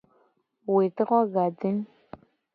Wetro gade.